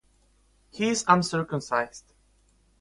He is uncircumcised.